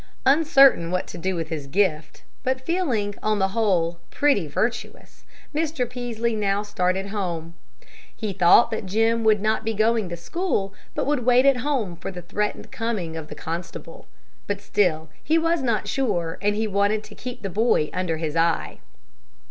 Uncertain what to do with his gift, but feeling, on the whole, pretty virtuous, Mr. Peaslee now started home. He thought that Jim would not be going to school, but would wait at home for the threatened coming of the constable; but still he was not sure, and he wanted to keep the boy under his eye.